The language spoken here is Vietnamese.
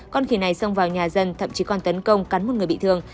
con khỉ này xông vào nhà dân thậm chí còn tấn công cắn một người bị thương